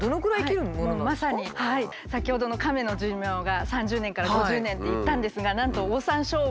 先ほどのカメの寿命が３０年から５０年って言ったんですがなんと中にはオオサンショウウオ？